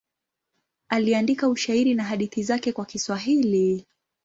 Aliandika ushairi na hadithi zake kwa Kiswahili.